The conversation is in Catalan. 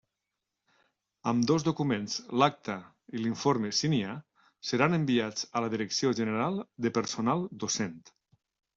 Ambdós documents, l'acta i l'informe si n'hi ha, seran enviats a la Direcció General de Personal Docent.